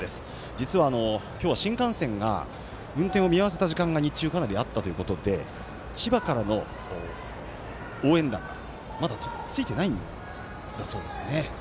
実は今日は新幹線が運転を見合わせた時間が日中かなりあったということで千葉からの応援団まだ着いていないんだそうです。